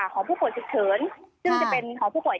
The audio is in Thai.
หอคภู้ผู้ข่วยธุริย์เชิญซึ่งจะเป็นหอคภู้ผ่วย